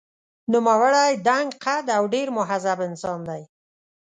نوموړی دنګ قد او ډېر مهذب انسان دی.